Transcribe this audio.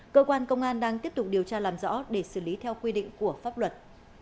cơ quan công an đang tiếp tục điều tra làm rõ để xử lý theo quy định của pháp luật